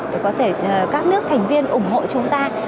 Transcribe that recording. để có thể các nước thành viên ủng hộ chúng ta